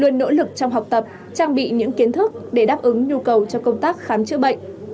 luôn nỗ lực trong học tập trang bị những kiến thức để đáp ứng nhu cầu cho công tác khám chữa bệnh